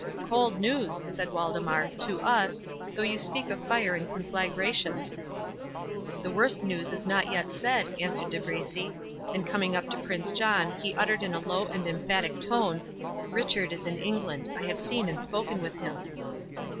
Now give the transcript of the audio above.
"Cold news," said Waldemar, "to us, though you speak of fire and conflagration." "The worst news is not yet said," answered De Bracy; and, coming up to Prince John, he uttered in a low and emphatic tone—"Richard is in England—I have seen and spoken with him."